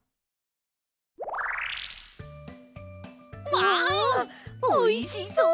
わおいしそう！